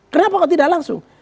kenapa kok tidak langsung